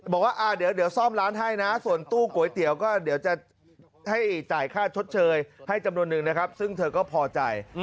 บอกว่าเดี๋ยวซ่อมร้านให้นะส่วนตู้ก๋วยเตี๋ยวก็เดี๋ยวจะให้จ่ายค่าชดเชยให้จำนวนหนึ่งนะครับซึ่งเธอก็พอใจ